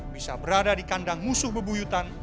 bisa berada di kandang musuh bebuyutan